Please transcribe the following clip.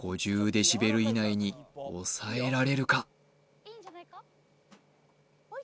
デシベル以内に抑えられるか？